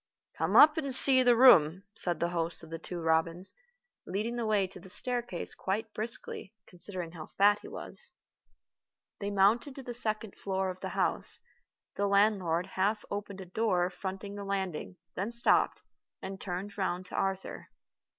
"Come up and see the room," said the host of The Two Robins, leading the way to the staircase quite briskly, considering how fat he was. They mounted to the second floor of the house. The landlord half opened a door fronting the landing, then stopped, and turned round to Arthur.